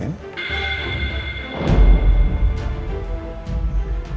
kita harus berhenti